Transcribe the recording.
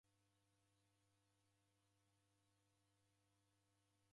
Ata odaruma shuu!